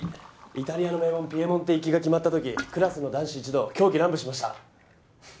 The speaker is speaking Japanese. イタリアの名門ピエモンテ行きが決まった時クラスの男子一同狂喜乱舞しました。